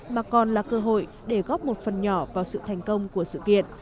mà còn là cơ hội để góp một phần nhỏ vào sự thành công của sự kiện